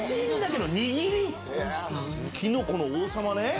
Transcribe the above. キノコの王様ね。